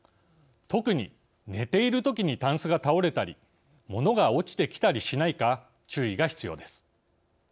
特に、寝ているときにたんすが倒れたり物が落ちてきたりしないか注意が必要です。